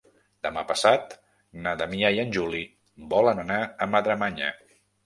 Demà passat na Damià i en Juli volen anar a Madremanya.